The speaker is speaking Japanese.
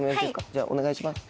じゃあお願いします。